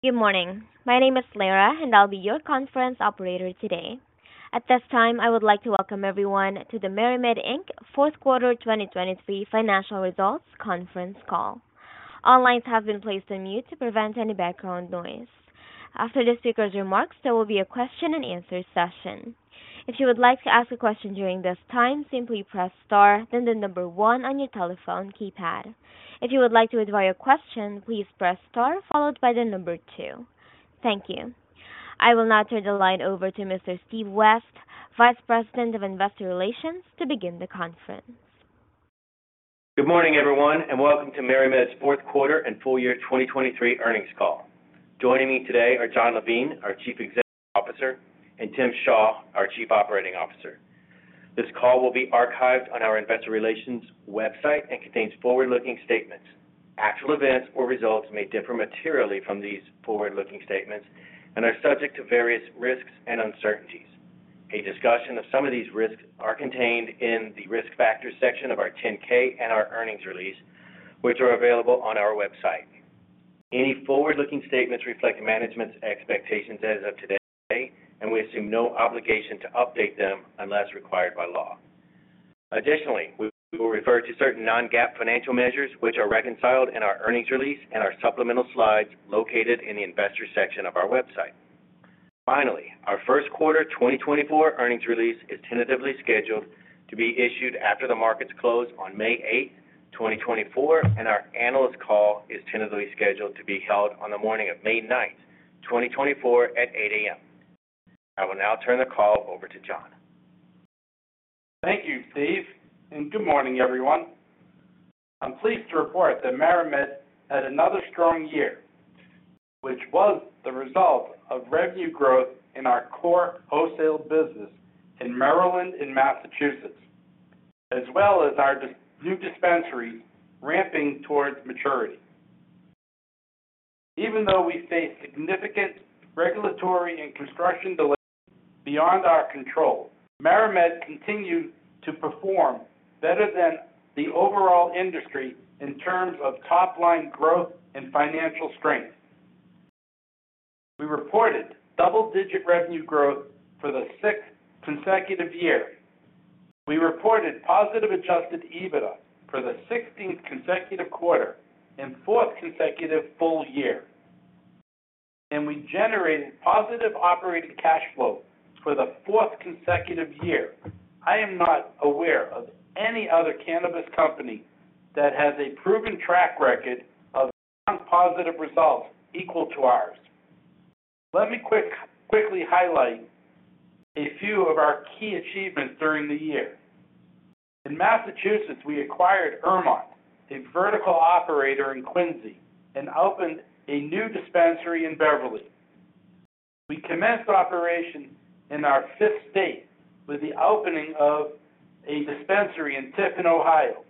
Good morning. My name is Lara, and I'll be your conference operator today. At this time, I would like to welcome everyone to the MariMed Inc. Fourth Quarter 2023 Financial Results Conference Call. All lines have been placed on mute to prevent any background noise. After the speaker's remarks, there will be a question-and-answer session. If you would like to ask a question during this time, simply press star, then the number one on your telephone keypad. If you would like to withdraw your question, please press star followed by the number two. Thank you. I will now turn the line over to Mr. Steve West, Vice President of Investor Relations, to begin the conference. Good morning, everyone, and welcome to MariMed's fourth quarter and full year 2023 earnings call. Joining me today are Jon Levine, our Chief Executive Officer, and Tim Shaw, our Chief Operating Officer. This call will be archived on our investor relations website and contains forward-looking statements. Actual events or results may differ materially from these forward-looking statements and are subject to various risks and uncertainties. A discussion of some of these risks are contained in the Risk Factors section of our 10-K and our earnings release, which are available on our website. Any forward-looking statements reflect management's expectations as of today, and we assume no obligation to update them unless required by law. Additionally, we will refer to certain non-GAAP financial measures, which are reconciled in our earnings release and our supplemental slides located in the Investors section of our website. Finally, our first quarter 2024 earnings release is tentatively scheduled to be issued after the markets close on May 8, 2024, and our analyst call is tentatively scheduled to be held on the morning of May 9, 2024, at 8:00 A.M. I will now turn the call over to Jon. Thank you, Steve, and good morning, everyone. I'm pleased to report that MariMed had another strong year, which was the result of revenue growth in our core wholesale business in Maryland and Massachusetts, as well as our new dispensaries ramping towards maturity. Even though we faced significant regulatory and construction delays beyond our control, MariMed continued to perform better than the overall industry in terms of top-line growth and financial strength. We reported double-digit revenue growth for the sixth consecutive year. We reported positive adjusted EBITDA for the sixteenth consecutive quarter and fourth consecutive full year, and we generated positive operating cash flow for the fourth consecutive year. I am not aware of any other cannabis company that has a proven track record of non-positive results equal to ours. Let me quickly highlight a few of our key achievements during the year. In Massachusetts, we acquired Ermont, a vertical operator in Quincy, and opened a new dispensary in Beverly. We commenced operations in our fifth state with the opening of a dispensary in Tiffin, Ohio.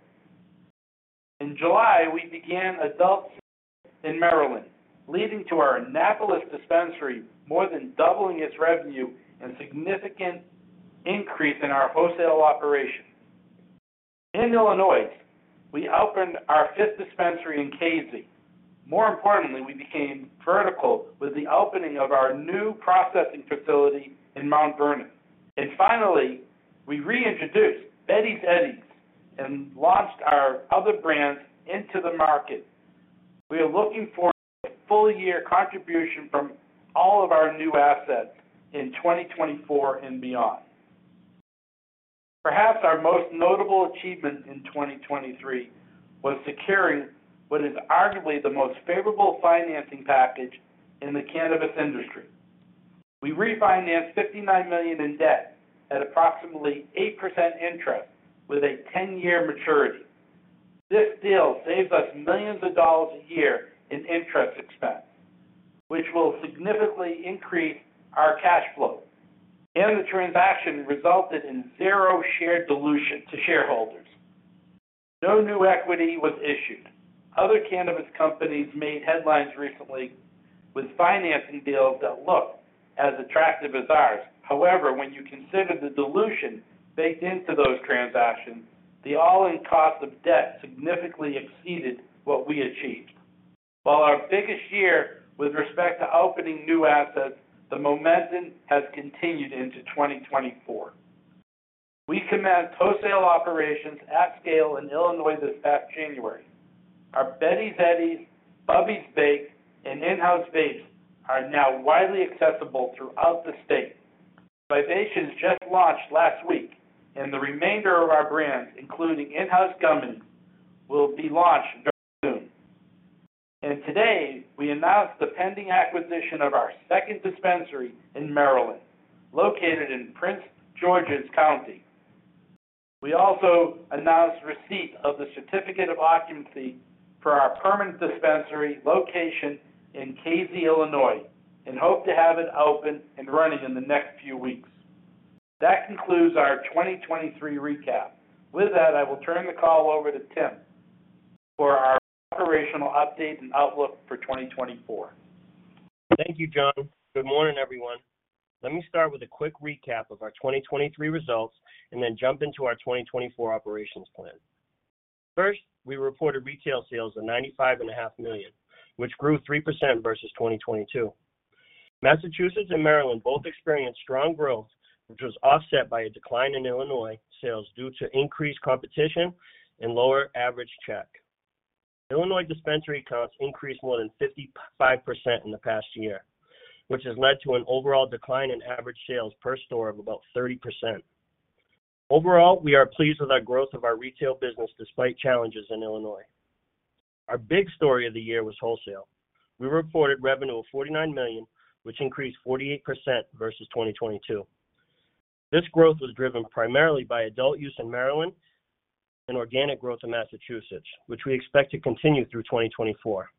In July, we began adult sales in Maryland, leading to our Annapolis dispensary more than doubling its revenue and significant increase in our wholesale operation. In Illinois, we opened our fifth dispensary in Casey. More importantly, we became vertical with the opening of our new processing facility in Mount Vernon. Finally, we reintroduced Betty's Eddies and launched our other brands into the market. We are looking for a full year contribution from all of our new assets in 2024 and beyond. Perhaps our most notable achievement in 2023 was securing what is arguably the most favorable financing package in the cannabis industry. We refinanced $59 million in debt at approximately 8% interest with a 10-year maturity. This deal saved us millions of dollars a year in interest expense, which will significantly increase our cash flow, and the transaction resulted in zero share dilution to shareholders. No new equity was issued. Other cannabis companies made headlines recently with financing deals that looked as attractive as ours. However, when you consider the dilution baked into those transactions, the all-in cost of debt significantly exceeded what we achieved. While our biggest year with respect to opening new assets, the momentum has continued into 2024. We commenced wholesale operations at scale in Illinois this past January. Our Betty's Eddies, Bubby's Baked, and InHouse brand are now widely accessible throughout the state. Vibations just launched last week, and the remainder of our brands, including InHouse gummies, will be launched very soon. Today, we announced the pending acquisition of our second dispensary in Maryland, located in Prince George's County. We also announced receipt of the certificate of occupancy for our permanent dispensary location in Casey, Illinois, and hope to have it open and running in the next few weeks. That concludes our 2023 recap. With that, I will turn the call over to Tim for our operational update and outlook for 2024. Thank you, Jon. Good morning, everyone. Let me start with a quick recap of our 2023 results and then jump into our 2024 operations plan. First, we reported retail sales of $95.5 million, which grew 3% versus 2022. Massachusetts and Maryland both experienced strong growth, which was offset by a decline in Illinois sales due to increased competition and lower average check. Illinois dispensary counts increased more than 55% in the past year, which has led to an overall decline in average sales per store of about 30%. Overall, we are pleased with our growth of our retail business despite challenges in Illinois. Our big story of the year was wholesale. We reported revenue of $49 million, which increased 48% versus 2022. This growth was driven primarily by adult use in Maryland and organic growth in Massachusetts, which we expect to continue through 2024.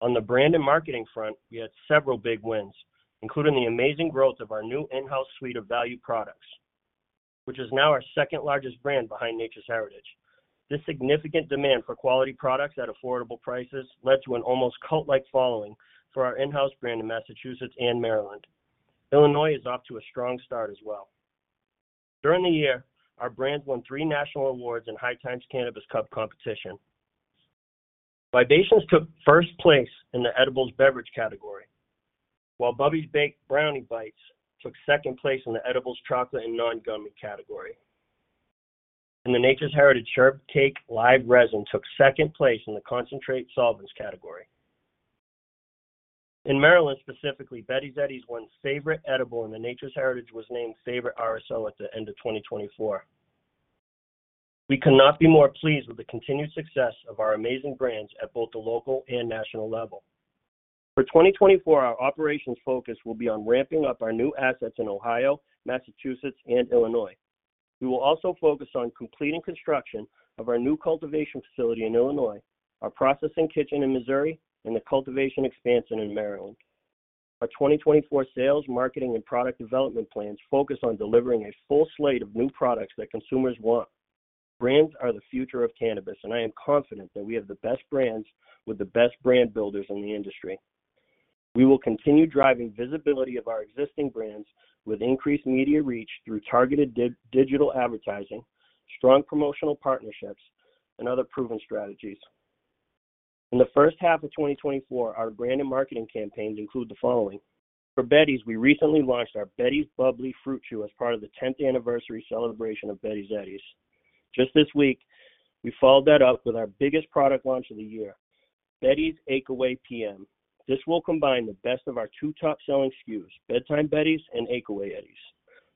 On the brand and marketing front, we had several big wins, including the amazing growth of our new InHouse suite of value products, which is now our second-largest brand behind Nature's Heritage. This significant demand for quality products at affordable prices led to an almost cult-like following for our InHouse brand in Massachusetts and Maryland. Illinois is off to a strong start as well. During the year, our brands won three national awards in High Times Cannabis Cup Competition. Vibations took first place in the edibles beverage category, while Bubby's Baked Brownie Bites took second place in the edibles, chocolate, and non-gummy category. The Nature's Heritage Sherb Cake Live Resin took second place in the concentrate solvents category. In Maryland, specifically, Betty's Eddies won Favorite Edible, and the Nature's Heritage was named Favorite RSO at the end of 2024. We cannot be more pleased with the continued success of our amazing brands at both the local and national level. For 2024, our operations focus will be on ramping up our new assets in Ohio, Massachusetts, and Illinois. We will also focus on completing construction of our new cultivation facility in Illinois, our processing kitchen in Missouri, and the cultivation expansion in Maryland. Our 2024 sales, marketing, and product development plans focus on delivering a full slate of new products that consumers want. Brands are the future of cannabis, and I am confident that we have the best brands with the best brand builders in the industry. We will continue driving visibility of our existing brands with increased media reach through targeted digital advertising, strong promotional partnerships, and other proven strategies. In the first half of 2024, our brand and marketing campaigns include the following: For Betty's, we recently launched our Betty's Bubbly Fruit Chews as part of the tenth anniversary celebration of Betty's Eddies. Just this week, we followed that up with our biggest product launch of the year, Betty's Ache Away PM. This will combine the best of our two top-selling SKUs, Bedtime Betty's and Ache Away Eddies,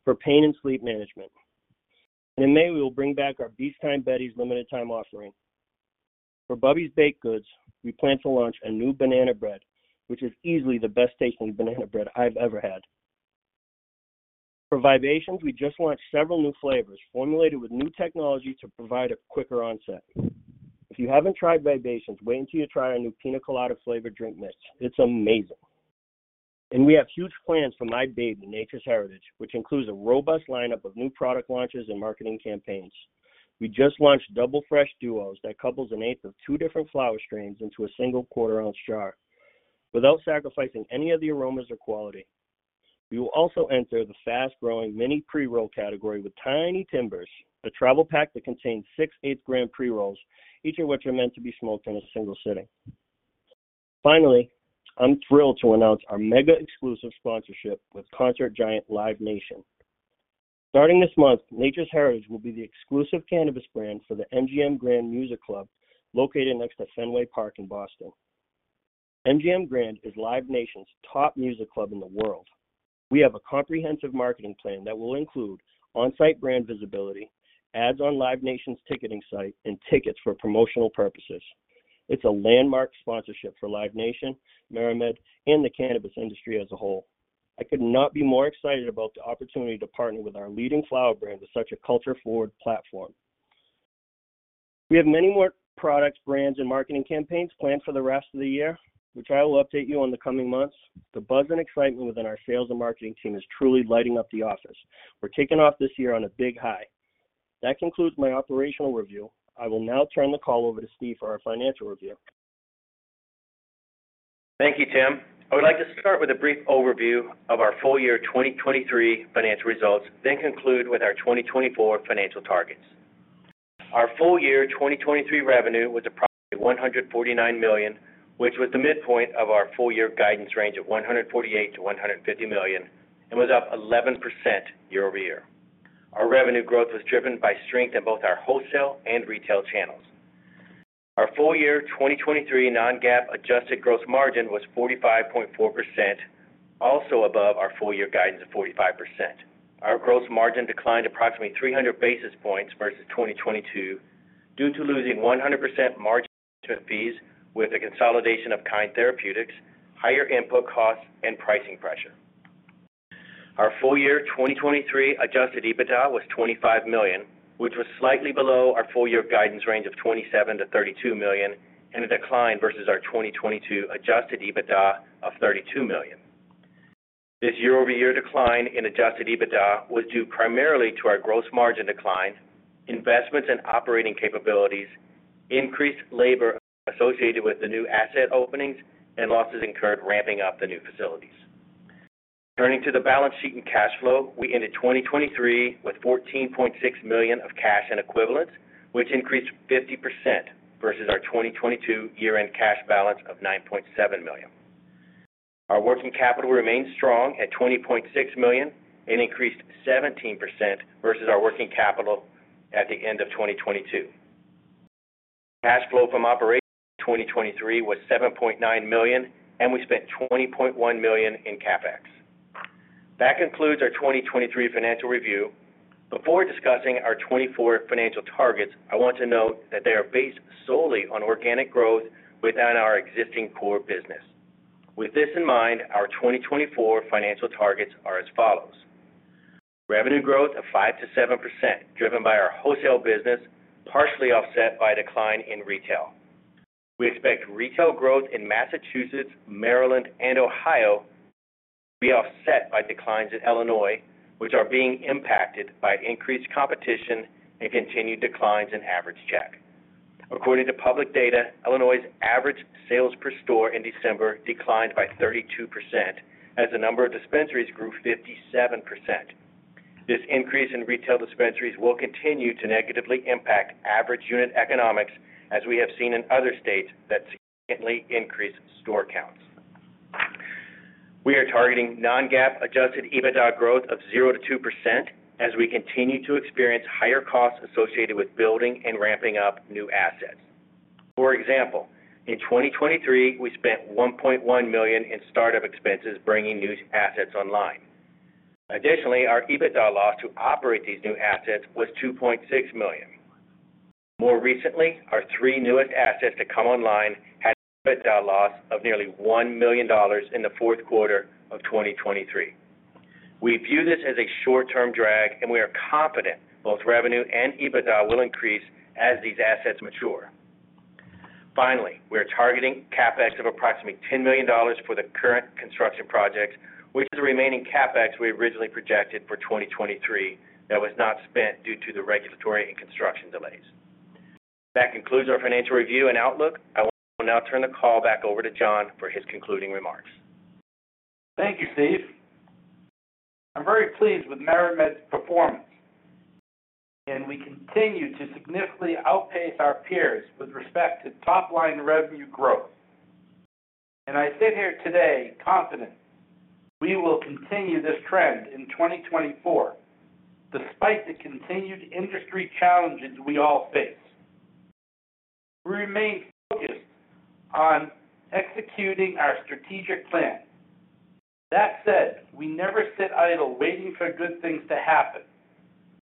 for pain and sleep management. In May, we will bring back our Beach Time Betty's limited time offering. For Bubby's Baked Goods, we plan to launch a new banana bread, which is easily the best-tasting banana bread I've ever had. For Vibations, we just launched several new flavors, formulated with new technology to provide a quicker onset. If you haven't tried Vibations, wait until you try our new piña colada flavored drink mix. It's amazing. We have huge plans for my baby, Nature's Heritage, which includes a robust lineup of new product launches and marketing campaigns. We just launched Double Fresh Duos that couples an eighth of two different flower strains into a single quarter-ounce jar without sacrificing any of the aromas or quality. We will also enter the fast-growing mini pre-roll category with Tiny Timbers, a travel pack that contains six eighth-gram pre-rolls, each of which are meant to be smoked in a single sitting. Finally, I'm thrilled to announce our mega exclusive sponsorship with concert giant Live Nation. Starting this month, Nature's Heritage will be the exclusive cannabis brand for the MGM Music Hall at Fenway, located next to Fenway Park in Boston. MGM Music Hall at Fenway is Live Nation's top music club in the world. We have a comprehensive marketing plan that will include on-site brand visibility, ads on Live Nation's ticketing site, and tickets for promotional purposes. It's a landmark sponsorship for Live Nation, MariMed, and the cannabis industry as a whole. I could not be more excited about the opportunity to partner with our leading flower brand to such a culture-forward platform. We have many more products, brands, and marketing campaigns planned for the rest of the year, which I will update you on the coming months. The buzz and excitement within our sales and marketing team is truly lighting up the office. We're taking off this year on a big high. That concludes my operational review. I will now turn the call over to Steve for our financial review. Thank you, Tim. I would like to start with a brief overview of our full year 2023 financial results, then conclude with our 2024 financial targets. Our full year 2023 revenue was approximately $149 million, which was the midpoint of our full year guidance range of $148 million-$150 million, and was up 11% year-over-year. Our revenue growth was driven by strength in both our wholesale and retail channels. Our full year 2023 non-GAAP adjusted gross margin was 45.4%, also above our full year guidance of 45%. Our gross margin declined approximately 300 basis points versus 2022 due to losing 100% margin fees with the consolidation of Kind Therapeutics, higher input costs, and pricing pressure. Our full year 2023 adjusted EBITDA was $25 million, which was slightly below our full year guidance range of $27 million-$32 million, and a decline versus our 2022 adjusted EBITDA of $32 million. This year-over-year decline in adjusted EBITDA was due primarily to our gross margin decline, investments in operating capabilities, increased labor associated with the new asset openings, and losses incurred ramping up the new facilities. Turning to the balance sheet and cash flow, we ended 2023 with $14.6 million of cash and equivalents, which increased 50% versus our 2022 year-end cash balance of $9.7 million. Our working capital remains strong at $20.6 million and increased 17% versus our working capital at the end of 2022. Cash flow from operations in 2023 was $7.9 million, and we spent $20.1 million in CapEx. That concludes our 2023 financial review. Before discussing our 2024 financial targets, I want to note that they are based solely on organic growth within our existing core business. With this in mind, our 2024 financial targets are as follows: Revenue growth of 5%-7%, driven by our wholesale business, partially offset by a decline in retail. We expect retail growth in Massachusetts, Maryland, and Ohio to be offset by declines in Illinois, which are being impacted by increased competition and continued declines in average check. According to public data, Illinois' average sales per store in December declined by 32%, as the number of dispensaries grew 57%. This increase in retail dispensaries will continue to negatively impact average unit economics, as we have seen in other states that significantly increase store counts. We are targeting non-GAAP adjusted EBITDA growth of 0%-2% as we continue to experience higher costs associated with building and ramping up new assets. For example, in 2023, we spent $1.1 million in start-up expenses, bringing new assets online. Additionally, our EBITDA loss to operate these new assets was $2.6 million. More recently, our three newest assets to come online had an EBITDA loss of nearly $1 million in the fourth quarter of 2023. We view this as a short-term drag, and we are confident both revenue and EBITDA will increase as these assets mature. Finally, we are targeting CapEx of approximately $10 million for the current construction projects, which is the remaining CapEx we originally projected for 2023, that was not spent due to the regulatory and construction delays. That concludes our financial review and outlook. I will now turn the call back over to Jon for his concluding remarks. Thank you, Steve. I'm very pleased with MariMed's performance, and we continue to significantly outpace our peers with respect to top-line revenue growth. I sit here today confident we will continue this trend in 2024, despite the continued industry challenges we all face. We remain focused on executing our strategic plan. That said, we never sit idle waiting for good things to happen.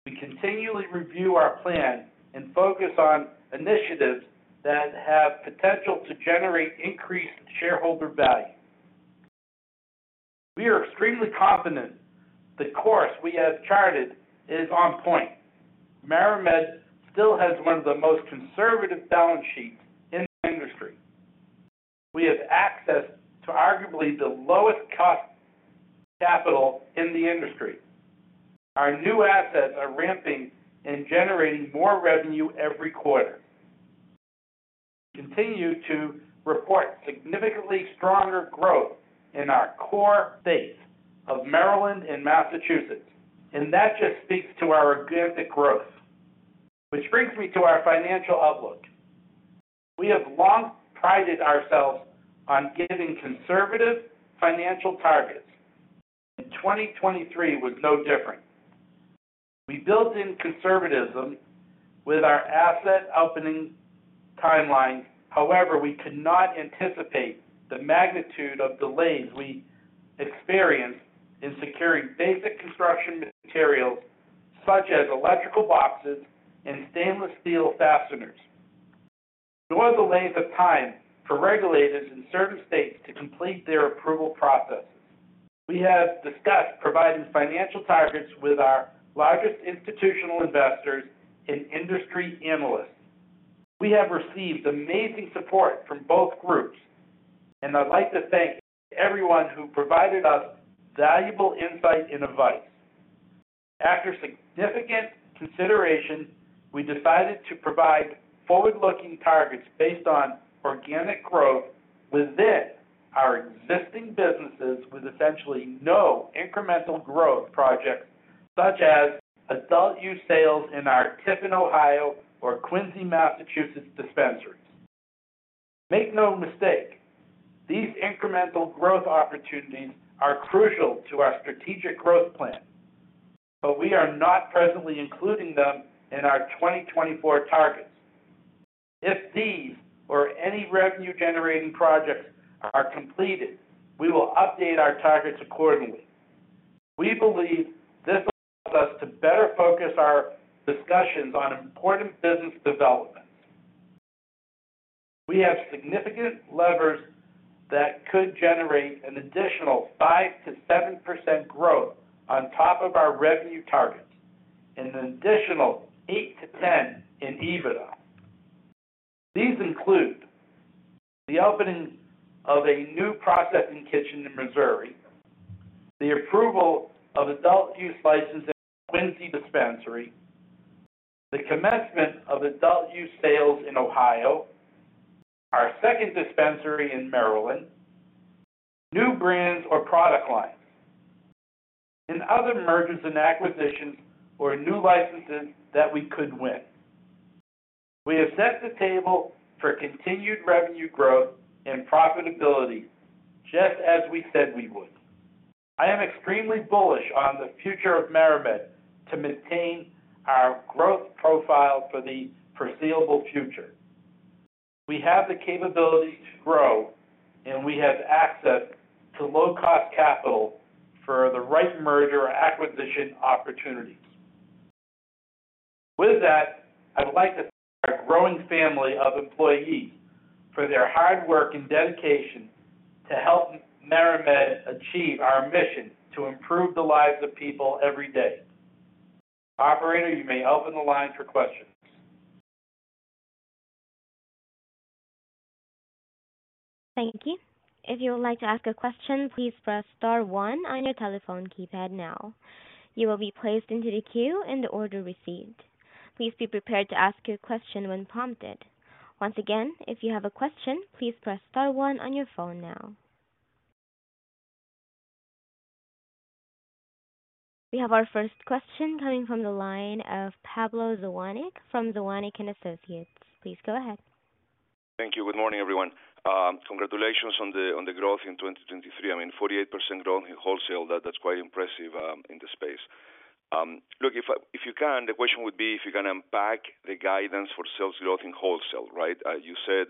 We continually review our plan and focus on initiatives that have potential to generate increased shareholder value. We are extremely confident the course we have charted is on point. MariMed still has one of the most conservative balance sheets in the industry. We have access to arguably the lowest cost capital in the industry. Our new assets are ramping and generating more revenue every quarter. We continue to report significantly stronger growth in our core states of Maryland and Massachusetts, and that just speaks to our organic growth. Which brings me to our financial outlook. We have long prided ourselves on giving conservative financial targets, and 2023 was no different. We built in conservatism with our asset opening timeline. However, we could not anticipate the magnitude of delays we experienced in securing basic construction materials, such as electrical boxes and stainless steel fasteners, nor the length of time for regulators in certain states to complete their approval processes. We have discussed providing financial targets with our largest institutional investors and industry analysts. We have received amazing support from both groups, and I'd like to thank everyone who provided us valuable insight and advice. After significant consideration, we decided to provide forward-looking targets based on organic growth within our existing businesses, with essentially no incremental growth projects, such as adult-use sales in our Tiffin, Ohio, or Quincy, Massachusetts dispensaries. Make no mistake, these incremental growth opportunities are crucial to our strategic growth plan, but we are not presently including them in our 2024 targets. If these or any revenue-generating projects are completed, we will update our targets accordingly. We believe this allows us to better focus our discussions on important business developments. We have significant levers that could generate an additional 5%-7% growth on top of our revenue targets, and an additional 8%-10% in EBITDA. These include the opening of a new processing kitchen in Missouri, the approval of adult use licenses in the Quincy dispensary, the commencement of adult use sales in Ohio,... our second dispensary in Maryland, new brands or product lines, and other mergers and acquisitions or new licenses that we could win. We have set the table for continued revenue growth and profitability, just as we said we would. I am extremely bullish on the future of MariMed to maintain our growth profile for the foreseeable future. We have the capability to grow, and we have access to low-cost capital for the right merger acquisition opportunities. With that, I would like to thank our growing family of employees for their hard work and dedication to help MariMed achieve our mission to improve the lives of people every day. Operator, you may open the line for questions. Thank you. If you would like to ask a question, please press star one on your telephone keypad now. You will be placed into the queue in the order received. Please be prepared to ask your question when prompted. Once again, if you have a question, please press star one on your phone now. We have our first question coming from the line of Pablo Zuanic from Zuanic & Associates. Please go ahead. Thank you. Good morning, everyone. Congratulations on the growth in 2023. I mean, 48% growth in wholesale, that's quite impressive in the space. Look, if you can, the question would be if you can unpack the guidance for sales growth in wholesale, right? You said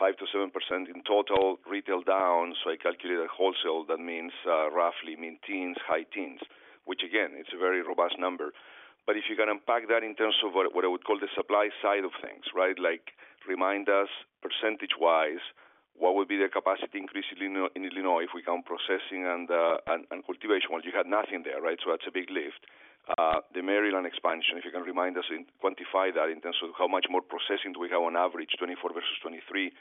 5%-7% in total, retail down, so I calculate at wholesale, that means roughly mid-teens, high teens, which again, it's a very robust number. But if you can unpack that in terms of what I would call the supply side of things, right? Like, remind us percentage-wise, what would be the capacity increase in Illinois if we count processing and cultivation, you had nothing there, right? So that's a big lift. The Maryland expansion, if you can remind us and quantify that in terms of how much more processing do we have on average, 2024 versus 2023,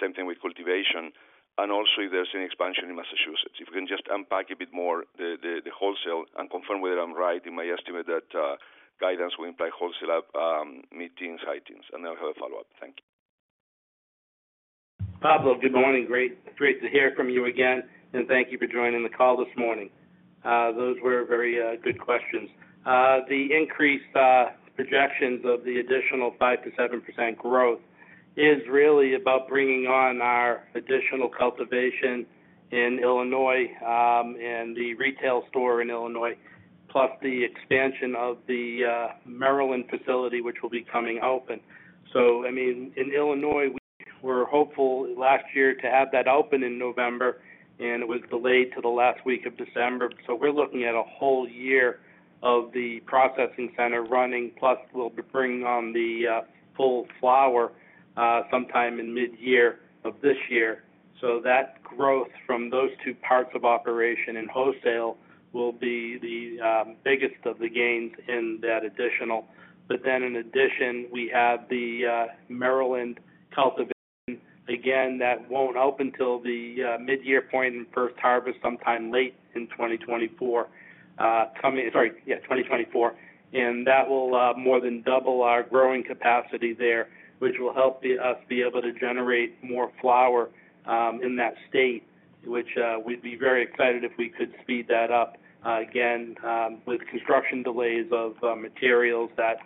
same thing with cultivation, and also if there's any expansion in Massachusetts. If you can just unpack a bit more the wholesale and confirm whether I'm right in my estimate that guidance will imply wholesale mid-teens, high teens, and then I'll have a follow-up. Thank you. Pablo, good morning. Great, great to hear from you again, and thank you for joining the call this morning. Those were very good questions. The increased projections of the additional 5%-7% growth is really about bringing on our additional cultivation in Illinois, and the retail store in Illinois, plus the expansion of the Maryland facility, which will be coming open. So I mean, in Illinois, we were hopeful last year to have that open in November, and it was delayed to the last week of December. So we're looking at a whole year of the processing center running, plus we'll be bringing on the full flower sometime in mid-year of this year. So that growth from those two parts of operation in wholesale will be the biggest of the gains in that additional. But then, in addition, we have the Maryland cultivation. Again, that won't open till the mid-year point, and first harvest sometime late in 2024. And that will more than double our growing capacity there, which will help us be able to generate more flower in that state, which we'd be very excited if we could speed that up. Again, with construction delays of materials that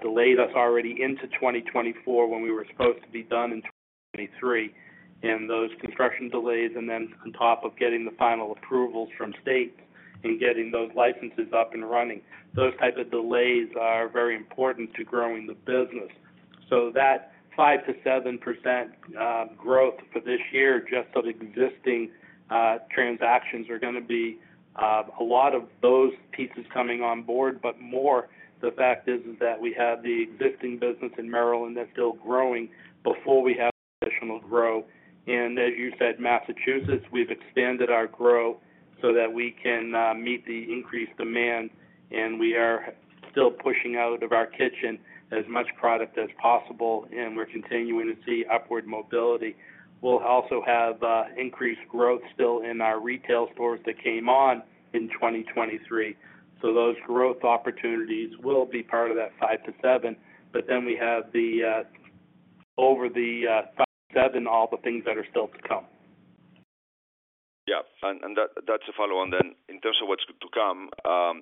delayed us already into 2024, when we were supposed to be done in 2023, and those construction delays, and then on top of getting the final approvals from states and getting those licenses up and running, those type of delays are very important to growing the business. So that 5%-7% growth for this year, just on existing transactions, are gonna be a lot of those pieces coming on board. But more, the fact is, is that we have the existing business in Maryland that's still growing before we have additional growth. And as you said, Massachusetts, we've expanded our growth so that we can meet the increased demand, and we are still pushing out of our kitchen as much product as possible, and we're continuing to see upward mobility. We'll also have increased growth still in our retail stores that came on in 2023. So those growth opportunities will be part of that 5%-7%. But then we have the over the 5%-7%, all the things that are still to come. Yeah, and that, that's a follow-on then. In terms of what's to come, I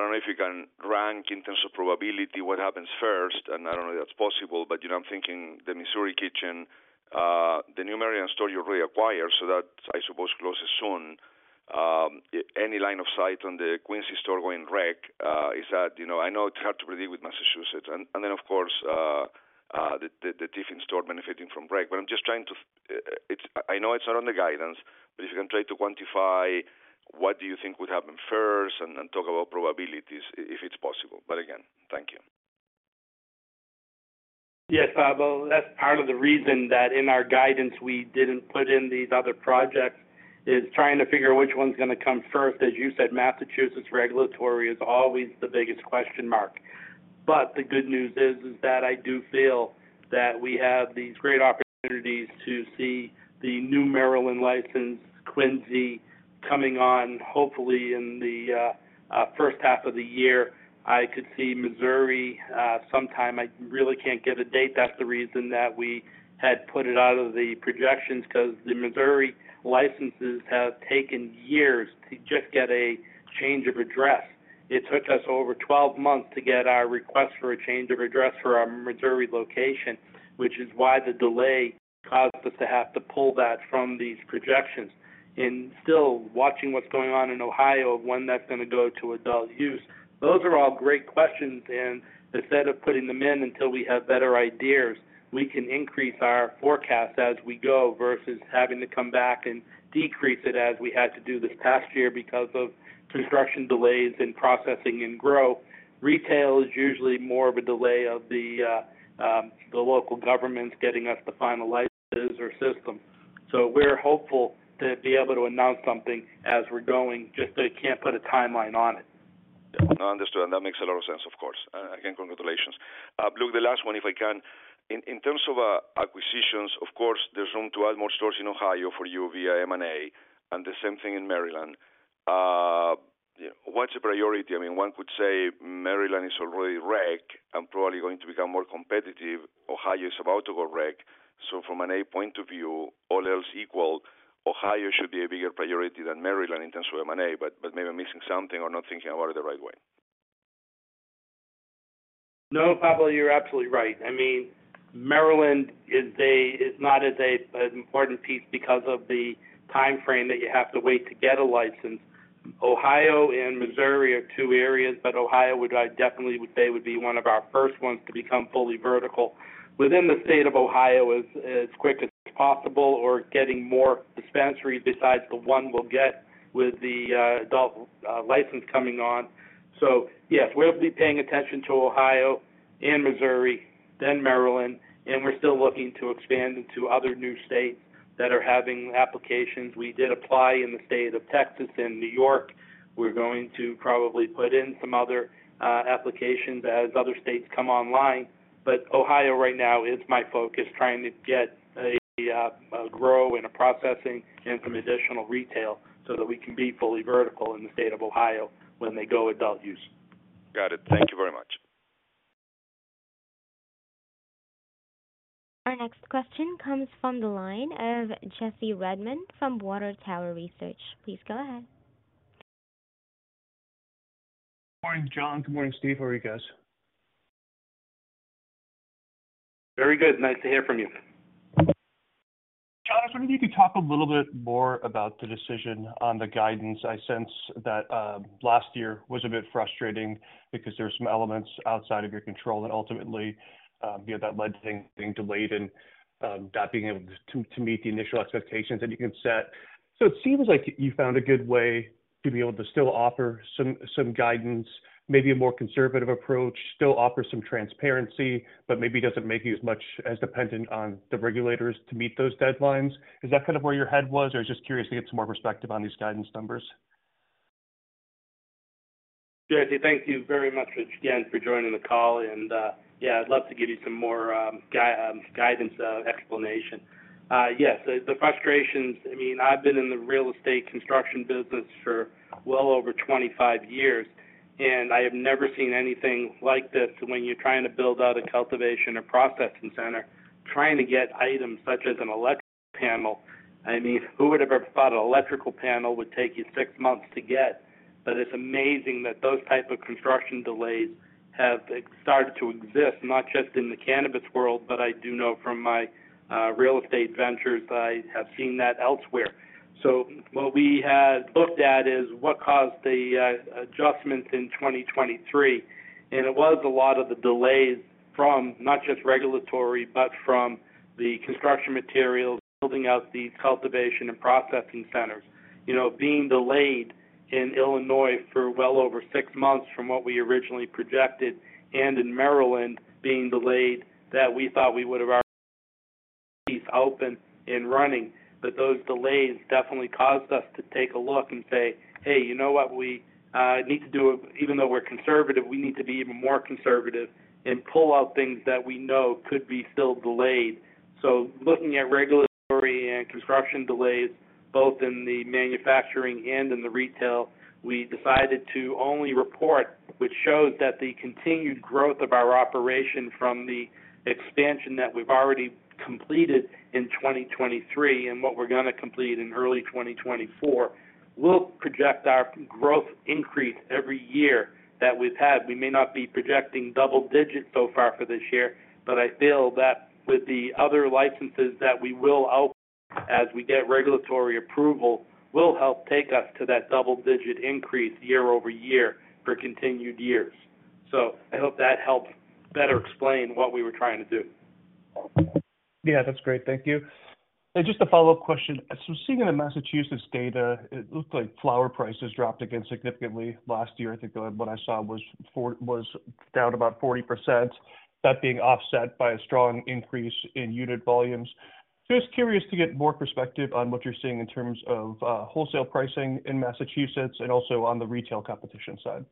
don't know if you can rank in terms of probability, what happens first, and I don't know if that's possible, but, you know, I'm thinking the Missouri kitchen, the new Maryland store you reacquire, so that, I suppose, closes soon. Any line of sight on the Quincy store going rec, is that, you know, I know it's hard to predict with Massachusetts and, and then, of course, the Tiffin store benefiting from rec. But I'm just trying to, it's. I know it's not on the guidance, but if you can try to quantify what do you think would happen first and then talk about probabilities, if it's possible. But again, thank you. Yes, Pablo, that's part of the reason that in our guidance, we didn't put in these other projects, is trying to figure out which one's gonna come first. As you said, Massachusetts regulatory is always the biggest question mark. But the good news is, is that I do feel that we have these great opportunities to see the new Maryland license, Quincy coming on, hopefully, in the first half of the year. I could see Missouri sometime. I really can't give a date. That's the reason that we had put it out of the projections, 'cause the Missouri licenses have taken years to just get a change of address. It took us over 12 months to get our request for a change of address for our Missouri location, which is why the delay caused us to have to pull that from these projections. Still, watching what's going on in Ohio, when that's going to go to adult use. Those are all great questions, and instead of putting them in until we have better ideas, we can increase our forecast as we go versus having to come back and decrease it as we had to do this past year because of construction delays in processing and grow. Retail is usually more of a delay of the local governments getting us the final licenses or system. So we're hopeful to be able to announce something as we're going, just I can't put a timeline on it. Yeah, understood. That makes a lot of sense, of course. Again, congratulations. Look, the last one, if I can. In terms of acquisitions, of course, there's room to add more stores in Ohio for you via M&A, and the same thing in Maryland. What's the priority? I mean, one could say Maryland is already rec and probably going to become more competitive. Ohio is about to go rec. So from an A point of view, all else equal, Ohio should be a bigger priority than Maryland in terms of M&A, but maybe I'm missing something or not thinking about it the right way. No, Pablo, you're absolutely right. I mean, Maryland is not as an important piece because of the timeframe that you have to wait to get a license. Ohio and Missouri are two areas, but Ohio, I definitely would say, would be one of our first ones to become fully vertical. Within the state of Ohio, as quick as possible or getting more dispensaries besides the one we'll get with the adult license coming on. So yes, we'll be paying attention to Ohio and Missouri, then Maryland, and we're still looking to expand into other new states that are having applications. We did apply in the state of Texas and New York. We're going to probably put in some other applications as other states come online. Ohio right now is my focus, trying to get a grow and a processing and some additional retail so that we can be fully vertical in the state of Ohio when they go adult use. Got it. Thank you very much. Our next question comes from the line of Jesse Redmond from Water Tower Research. Please go ahead. Good morning, Jon. Good morning, Steve. How are you guys? Very good. Nice to hear from you. Jon, I was wondering if you could talk a little bit more about the decision on the guidance. I sense that last year was a bit frustrating because there were some elements outside of your control, and ultimately you know that led to things being delayed and not being able to meet the initial expectations that you had set. So it seems like you found a good way to be able to still offer some guidance, maybe a more conservative approach, still offer some transparency, but maybe doesn't make you as much as dependent on the regulators to meet those deadlines. Is that kind of where your head was? Or just curious to get some more perspective on these guidance numbers. Jesse, thank you very much again for joining the call. Yeah, I'd love to give you some more guidance, explanation. Yes, the frustrations, I mean, I've been in the real estate construction business for well over 25 years, and I have never seen anything like this when you're trying to build out a cultivation or processing center, trying to get items such as an electrical panel. I mean, who would have ever thought an electrical panel would take you six months to get? But it's amazing that those type of construction delays have started to exist, not just in the cannabis world, but I do know from my real estate ventures, I have seen that elsewhere. So what we had looked at is what caused the adjustments in 2023, and it was a lot of the delays from not just regulatory, but from the construction materials, building out these cultivation and processing centers. You know, being delayed in Illinois for well over six months from what we originally projected, and in Maryland, being delayed, that we thought we would have our piece open and running. But those delays definitely caused us to take a look and say: "Hey, you know what? We need to do, even though we're conservative, we need to be even more conservative and pull out things that we know could be still delayed. So looking at regulatory and construction delays, both in the manufacturing and in the retail, we decided to only report, which shows that the continued growth of our operation from the expansion that we've already completed in 2023 and what we're going to complete in early 2024, will project our growth increase every year that we've had. We may not be projecting double digits so far for this year, but I feel that with the other licenses that we will open as we get regulatory approval, will help take us to that double-digit increase year over year for continued years. So I hope that helps better explain what we were trying to do. Yeah, that's great. Thank you. Just a follow-up question. Seeing in the Massachusetts data, it looked like flower prices dropped again significantly last year. I think what I saw was down about 40%, that being offset by a strong increase in unit volumes. Just curious to get more perspective on what you're seeing in terms of wholesale pricing in Massachusetts and also on the retail competition side....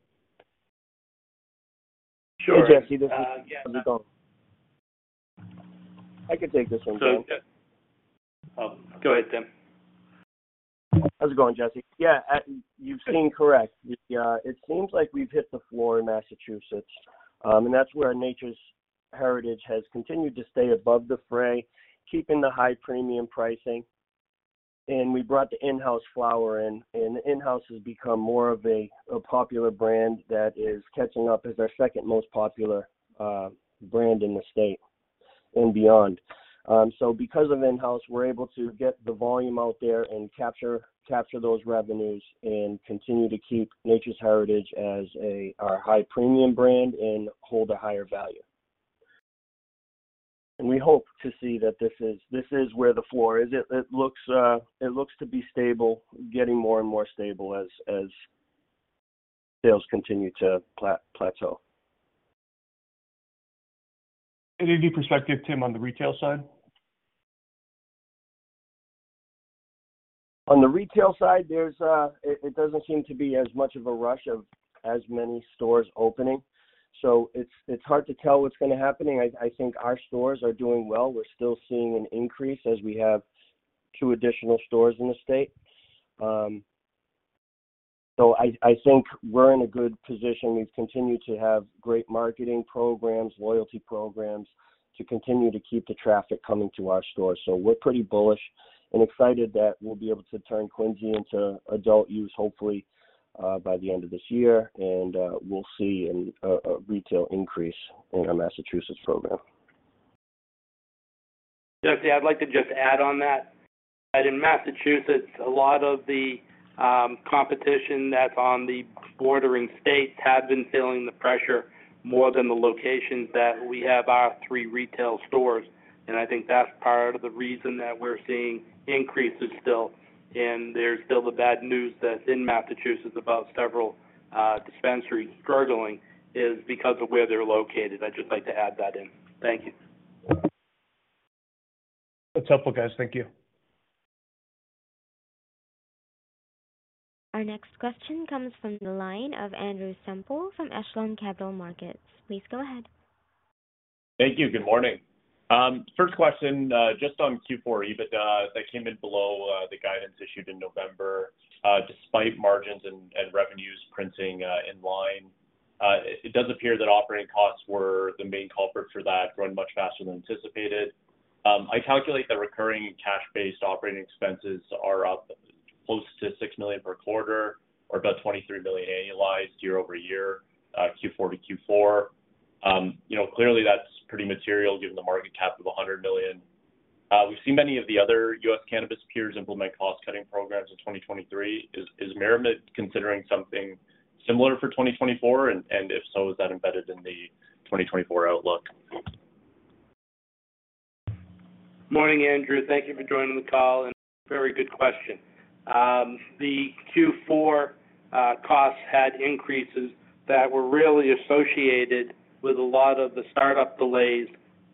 Hey, Jesse, this is Tim. How's it going? I can take this one, Tim. Oh, go ahead, Tim. How's it going, Jesse? Yeah, you've seen correct. Yeah, it seems like we've hit the floor in Massachusetts, and that's where Nature's Heritage has continued to stay above the fray, keeping the high premium pricing. And we brought the InHouse flower in, and InHouse has become more of a popular brand that is catching up as our second most popular brand in the state and beyond. So because of InHouse, we're able to get the volume out there and capture those revenues and continue to keep Nature's Heritage as our high premium brand and hold a higher value. And we hope to see that this is where the floor is. It looks to be stable, getting more and more stable as sales continue to plateau. Any perspective, Tim, on the retail side? On the retail side, there's it doesn't seem to be as much of a rush of as many stores opening, so it's hard to tell what's going to happen. I think our stores are doing well. We're still seeing an increase as we have two additional stores in the state. So I think we're in a good position. We've continued to have great marketing programs, loyalty programs, to continue to keep the traffic coming to our stores. So we're pretty bullish and excited that we'll be able to turn Quincy into adult use, hopefully by the end of this year, and we'll see a retail increase in our Massachusetts program. Jesse, I'd like to just add on that. That in Massachusetts, a lot of the competition that's on the bordering states have been feeling the pressure more than the locations that we have our three retail stores. And I think that's part of the reason that we're seeing increases still. And there's still the bad news that's in Massachusetts about several dispensaries struggling, is because of where they're located. I'd just like to add that in. Thank you. That's helpful, guys. Thank you. Our next question comes from the line of Andrew Semple from Echelon Capital Markets. Please go ahead. Thank you. Good morning. First question, just on Q4 EBITDA that came in below the guidance issued in November, despite margins and revenues printing in line. It does appear that operating costs were the main culprit for that, growing much faster than anticipated. I calculate that recurring cash-based operating expenses are up close to $6 million per quarter, or about $23 million annualized year-over-year, Q4-Q4. You know, clearly, that's pretty material given the market cap of $100 million. We've seen many of the other U.S. cannabis peers implement cost-cutting programs in 2023. Is MariMed considering something similar for 2024? And if so, is that embedded in the 2024 outlook? Morning, Andrew. Thank you for joining the call, and very good question. The Q4 costs had increases that were really associated with a lot of the startup delays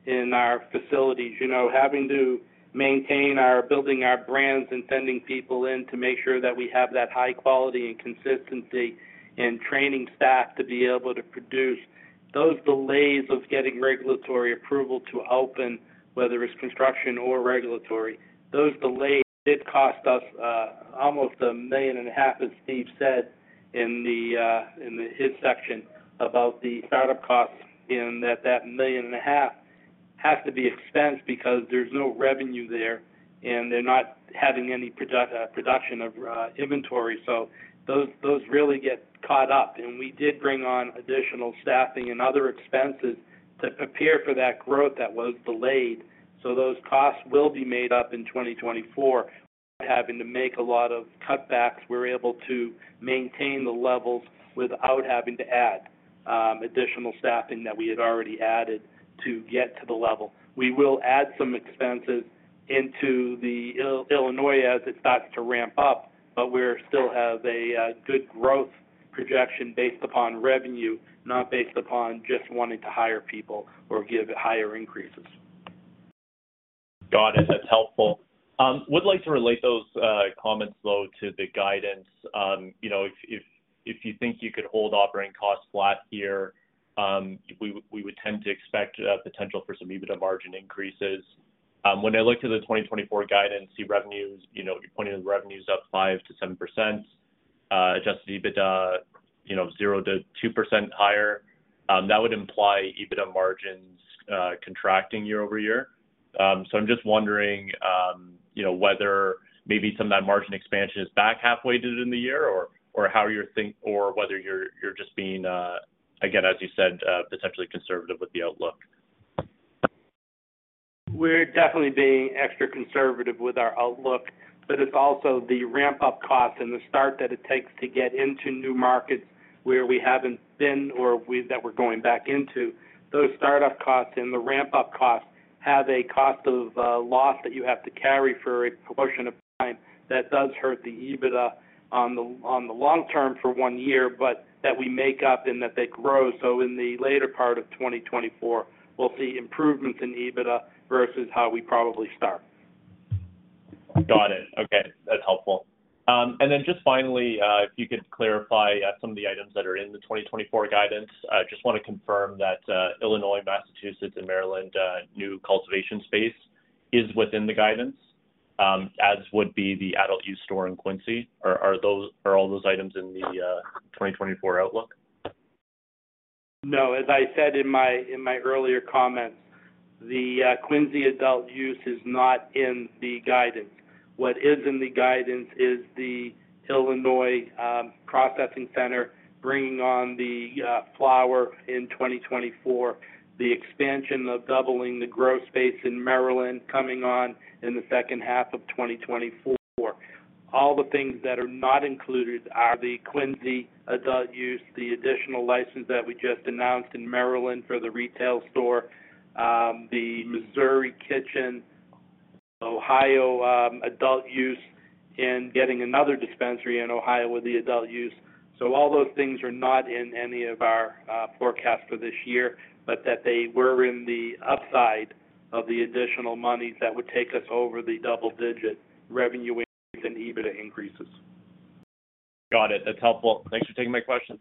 in our facilities. You know, having to maintain our, building our brands and sending people in to make sure that we have that high quality and consistency, and training staff to be able to produce. Those delays of getting regulatory approval to open, whether it's construction or regulatory, those delays did cost us almost $1.5 million, as Steve said in his section about the startup costs, and that $1.5 million has to be expensed because there's no revenue there, and they're not having any production of inventory. So those really get caught up. We did bring on additional staffing and other expenses to prepare for that growth that was delayed. So those costs will be made up in 2024, without having to make a lot of cutbacks. We're able to maintain the levels without having to add additional staffing that we had already added to get to the level. We will add some expenses into the Illinois as it starts to ramp up, but we still have a good growth projection based upon revenue, not based upon just wanting to hire people or give higher increases. Got it. That's helpful. Would like to relate those comments, though, to the guidance. You know, if you think you could hold operating costs flat here, we would tend to expect a potential for some EBITDA margin increases. When I look to the 2024 guidance, the revenues, you know, you're pointing the revenues up 5%-7%, adjusted EBITDA, you know, 0%-2% higher. That would imply EBITDA margins contracting year-over-year. So I'm just wondering, you know, whether maybe some of that margin expansion is back halfway through the year, or how you're thinking or whether you're just being, again, as you said, potentially conservative with the outlook. We're definitely being extra conservative with our outlook, but it's also the ramp-up costs and the start that it takes to get into new markets where we haven't been or we, that we're going back into. Those startup costs and the ramp-up costs have a cost of loss that you have to carry for a portion of time that does hurt the EBITDA on the long term for one year, but that we make up and that they grow. So in the later part of 2024, we'll see improvements in EBITDA versus how we probably start. Got it. Okay, that's helpful. And then just finally, if you could clarify some of the items that are in the 2024 guidance. I just want to confirm that Illinois, Massachusetts, and Maryland new cultivation space is within the guidance, as would be the adult use store in Quincy. Are all those items in the 2024 outlook? No, as I said in my earlier comments, the Quincy adult use is not in the guidance. What is in the guidance is the Illinois processing center, bringing on the flower in 2024, the expansion of doubling the grow space in Maryland coming on in the second half of 2024. All the things that are not included are the Quincy adult use, the additional license that we just announced in Maryland for the retail store, the Missouri kitchen, Ohio adult use, and getting another dispensary in Ohio with the adult use. So all those things are not in any of our forecasts for this year, but that they were in the upside of the additional monies that would take us over the double-digit revenue increase and EBITDA increases. Got it. That's helpful. Thanks for taking my questions.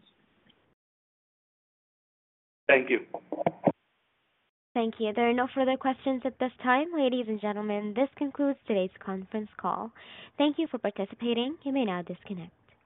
Thank you. Thank you. There are no further questions at this time. Ladies and gentlemen, this concludes today's conference call. Thank you for participating. You may now disconnect.